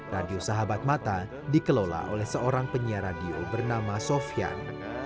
radio sahabat mata dikelola oleh seorang penyiar radio bernama sofian